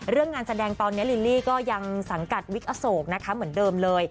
เรื่องงานแสดงตอนนี้ลิลลี่ก็ยังสังกัดวิกอโศกนะคะเหมือนเดิมเลย